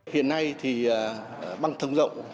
hiện nay thì băng thông rộng